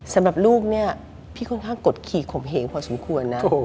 สำหรับลูกเนี่ยพี่ค่อนข้างกดขี่ขมเหงพอสมควรนะ